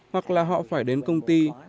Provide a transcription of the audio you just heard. hoặc là họ phải đến công ty